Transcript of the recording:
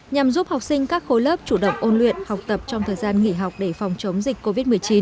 nhằm giúp học sinh các khối lớp chủ động ôn luyện học tập trong thời gian nghỉ học để phòng chống dịch covid một mươi chín